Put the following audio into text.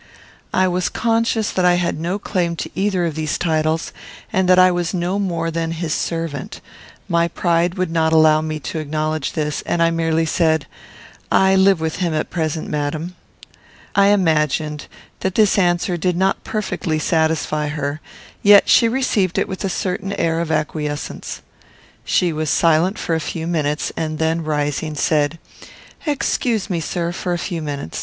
I was conscious that I had no claim to either of these titles, and that I was no more than his servant. My pride would not allow me to acknowledge this, and I merely said, "I live with him at present, madam." I imagined that this answer did not perfectly satisfy her; yet she received it with a certain air of acquiescence. She was silent for a few minutes, and then, rising, said, "Excuse me, sir, for a few minutes.